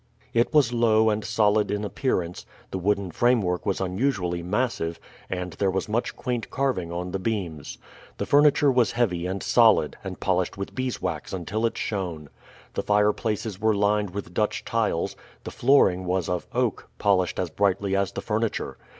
It was low and solid in appearance; the wooden framework was unusually massive, and there was much quaint carving on the beams. The furniture was heavy and solid, and polished with beeswax until it shone. The fireplaces were lined with Dutch tiles; the flooring was of oak, polished as brightly as the furniture.